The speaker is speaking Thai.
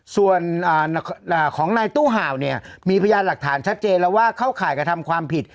ส่วนของนายตู้ห่าวเนี่ยมีพยานหลักฐานชัดเจนแล้วว่าเข้าข่ายกระทำความผิด